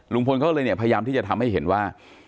คนเขาเลยเนี่ยพยายามที่จะทำให้เห็นว่า